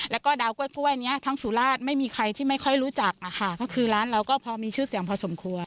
แล้วก็ดาวกล้วยเนี้ยทั้งสุราชไม่มีใครที่ไม่ค่อยรู้จักอะค่ะก็คือร้านเราก็พอมีชื่อเสียงพอสมควร